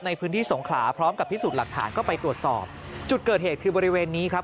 ในพื้นที่สงขลาพร้อมกับพิสูจน์หลักฐานก็ไปตรวจสอบจุดเกิดเหตุคือบริเวณนี้ครับ